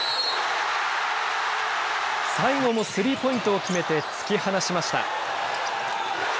最後もスリーポイントを決めて突き放しました。